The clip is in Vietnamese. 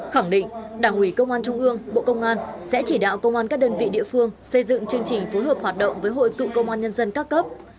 khẳng định đảng ủy công an trung ương bộ công an sẽ chỉ đạo công an các đơn vị địa phương xây dựng chương trình phối hợp hoạt động với hội cựu công an nhân dân các cấp